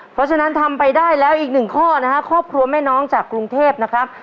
เพราะฉะนั้นทำไปได้แล้วอีกหนึ่งข้อนะฮะครอบครัวแม่น้องจากกรุงเทพนะครับ